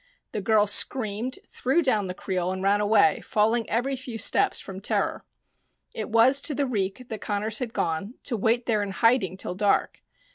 The girl screamed, threw down the creel, and ran away, falling every few steps from terror. It was to the reek that Connors had gone, to wait there in hiding till dark.